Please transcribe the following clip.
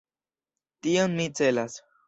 Tion mi celas.